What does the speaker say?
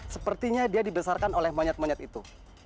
sepertinya dia dibesarkan oleh monyet monyet itu